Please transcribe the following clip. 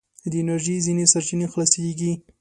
د انرژي ځينې سرچينې خلاصیږي.